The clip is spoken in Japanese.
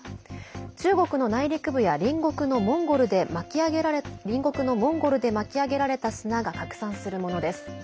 中国の内陸部や隣国のモンゴルで巻き上げられた砂が拡散するものです。